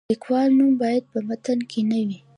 د لیکوال نوم باید په متن کې نه وي.